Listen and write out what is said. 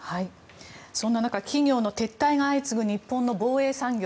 そんな中企業の撤退が相次ぐ日本の防衛産業。